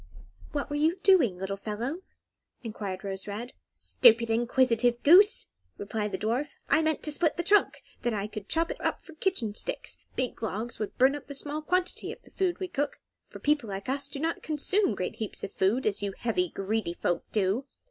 "What were you doing, little fellow?" enquired Rose Red. "Stupid, inquisitive goose!" replied the dwarf; "I meant to split the trunk, so that I could chop it up for kitchen sticks; big logs would burn up the small quantity of food we cook, for people like us do not consume great heaps of food, as you heavy, greedy folk do.